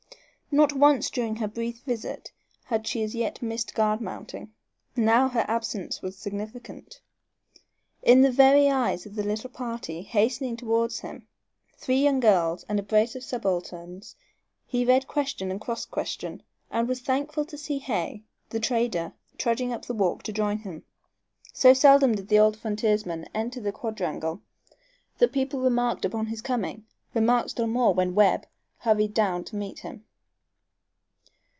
Not once during her brief visit had she as yet missed guard mounting. Now her absence was significant. In the very eyes of the little party hastening toward him three young girls and a brace of subalterns he read question and cross question, and was thankful to see Hay, the trader, trudging up the walk to join him. So seldom did the old frontiersman enter the quadrangle that people remarked upon his coming; remarked still more when Webb hurried down to meet him.